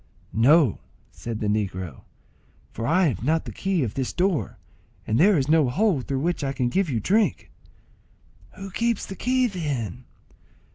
"No," said the negro, "for I have not the key of this door, and there is no hole through which I can give you drink." "Who keeps the key, then?"